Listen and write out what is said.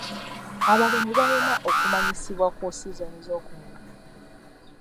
Abalimi balina okumanyisibwa ku sizoni z'okulima.